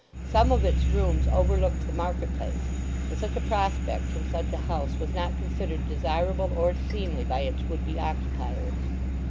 Some of its rooms overlooked the market place; and such a prospect from such a house was not considered desirable or seemly by its would be occupiers.